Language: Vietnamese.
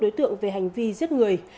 và đối tượng về hành vi giết người